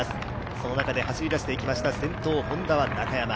その中で走り出していきました、先頭Ｈｏｎｄａは中山。